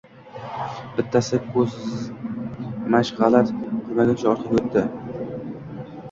. Bittasi ko‘zshamg‘alat qilgancha orqaga o‘tdi.